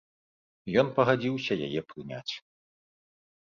Ён пагадзіўся яе прыняць.